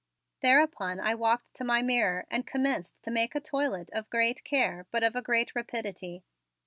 Thereupon I walked to my mirror and commenced to make a toilet of great care but of a great rapidity.